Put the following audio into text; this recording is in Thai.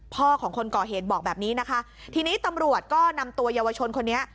พ่อของคนก่อเหตุบอกแบบนี้นะคะทีนี้ตำรวจก็นำตัวเยาวชนคนนี้